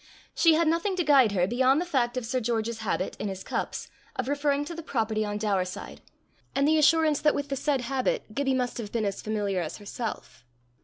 She had nothing to guide her beyond the fact of Sir George's habit, in his cups, of referring to the property on Daurside, and the assurance that with the said habit Gibbie must have been as familiar as herself.